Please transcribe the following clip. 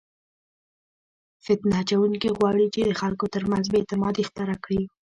فتنه اچونکي غواړي چې د خلکو ترمنځ بې اعتمادي خپره کړي.